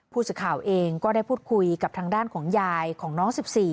ผู้สื่อข่าวเองก็ได้พูดคุยกับทางด้านของยายของน้อง๑๔